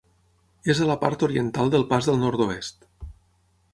És a la part oriental del Pas del Nord-oest.